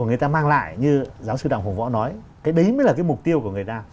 người ta mang lại như giáo sư đặng hùng võ nói cái đấy mới là cái mục tiêu của người ta